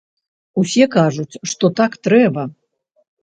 Усе кажуць, што так трэба.